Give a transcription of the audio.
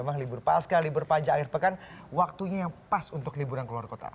memang libur pasca libur panjang akhir pekan waktunya yang pas untuk liburan keluar kota